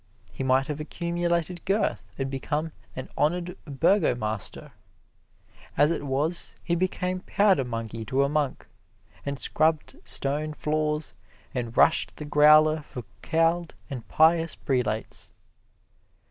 He might have accumulated girth and become an honored burgomaster. As it was he became powder monkey to a monk, and scrubbed stone floors and rushed the growler for cowled and pious prelates.